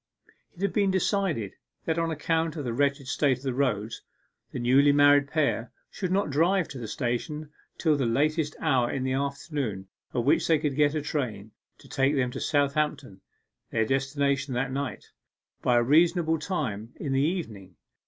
It had been decided that on account of the wretched state of the roads, the newly married pair should not drive to the station till the latest hour in the afternoon at which they could get a train to take them to Southampton (their destination that night) by a reasonable time in the evening.